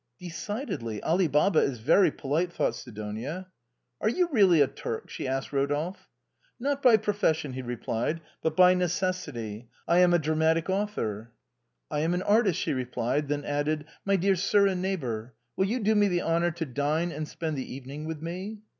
'"" Decidedly, Ali Baba is very polite," thought Sidonia. " Are you really a Turk? " she asked Rodolphe. " Not by profession," he replied, " but by necessity. I am a dramatic author." " And I an artist," she replied ; then added, " My dear ALI RODOLPHE ; OR, THE TURK PERFORCE. 61 sir and neighbor, will you do me the honor to dine and spend the evening with me